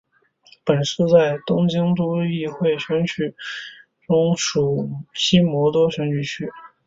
本市在东京都议会选举区中属西多摩选举区。